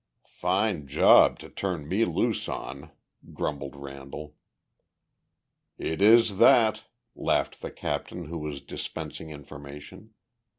"Fine job to turn me loose on," grumbled Randall. "It is that," laughed the captain who was dispensing information.